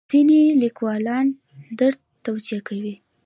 ځینې لیکوالان درد توجیه کوي.